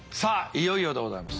いよいよでございます。